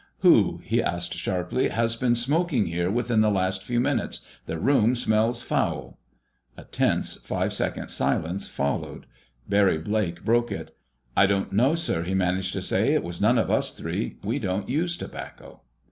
"Who," he asked sharply, "has been smoking here within the last few minutes? The room smells foul!" A tense, five second silence followed. Barry Blake broke it. "I don't know, sir," he managed to say. "It was none of us three. We don't use tobacco."